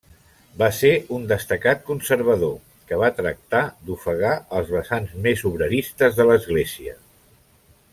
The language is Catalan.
Va ser un destacat conservador, que va tractar d'ofegar els vessants més obreristes de l'Església.